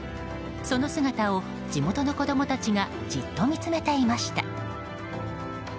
その姿を地元の子供たちがじっと見つめていました。